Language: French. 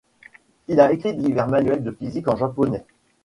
Il a écrit divers manuels de physique en japonais.